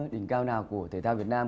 đỉnh cao nào của thể thao việt nam